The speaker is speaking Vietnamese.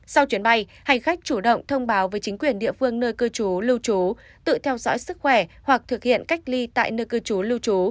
sau chuyến bay hành khách chủ động thông báo với chính quyền địa phương nơi cư trú lưu trú tự theo dõi sức khỏe hoặc thực hiện cách ly tại nơi cư trú lưu trú